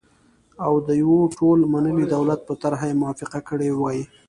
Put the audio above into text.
او د يوه ټول منلي دولت په طرحه یې موافقه کړې وای،